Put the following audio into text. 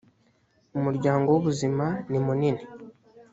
umuryango wubuzima nimunini